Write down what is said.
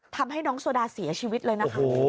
ทำให้น้องโซดาเสียชีวิตเลยนะคะ